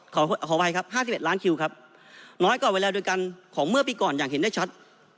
ขออภัยครับ๕๑ล้านคิวครับน้อยกว่าเวลาโดยกันของเมื่อปีก่อนอย่างเห็นได้ชัด